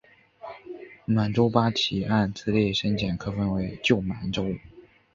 满洲八旗按资历深浅可分为旧满洲。